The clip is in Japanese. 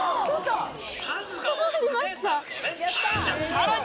さらに！